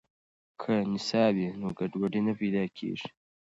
که نصاب وي نو ګډوډي نه پیدا کیږي.